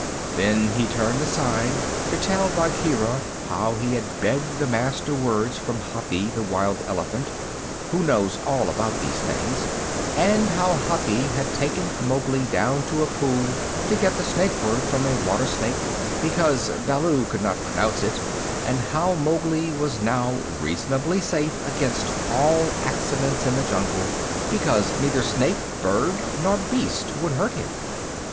Then he turned aside to tell Bagheera how he had begged the Master Words from Hathi the Wild Elephant, who knows all about these things, and how Hathi had taken Mowgli down to a pool to get the Snake Word from a water snake, because Baloo could not pronounce it, and how Mowgli was now reasonably safe against all accidents in the jungle, because neither snake, bird, nor beast would hurt him.